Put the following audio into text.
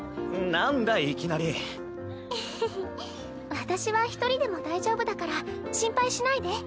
私は１人でも大丈夫だから心配しないで。